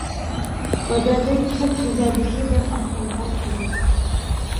بازاردىن چىقىپ گۈزەردىكى بىر ئاشخانىغا كىردۇق.